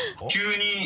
急に。